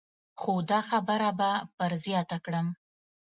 خو دا خبره به پر زیاته کړم.